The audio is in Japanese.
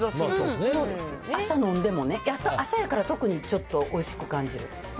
朝飲んでもね、朝やから特にちょっとおいしく感じる。